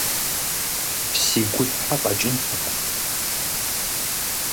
Си гущхьэ къэкӀынтэкъым!